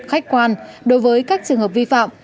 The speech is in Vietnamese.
khách quan đối với các trường hợp vi phạm